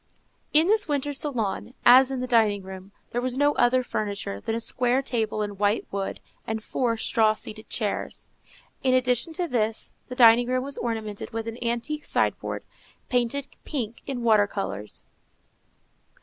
In this winter salon, as in the dining room, there was no other furniture than a square table in white wood, and four straw seated chairs. In addition to this the dining room was ornamented with an antique sideboard, painted pink, in water colors.